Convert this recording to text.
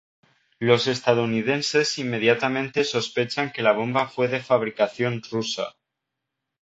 Los estadounidenses inmediatamente sospechan que la bomba fue de fabricación rusa.